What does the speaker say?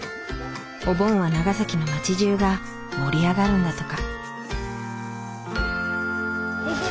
お盆は長崎の町じゅうが盛り上がるんだとか。